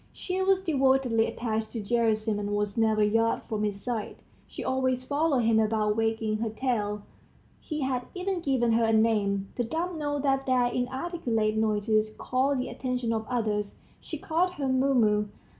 She was devotedly attached to Gerasim, and was never a yard from his side; she always followed him about wagging her tail. He had even given her a name the dumb know that their inarticulate noises call the attention of others. He called her Mumu.